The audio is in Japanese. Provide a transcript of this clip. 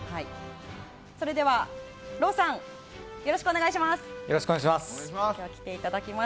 それではローさんよろしくお願いします。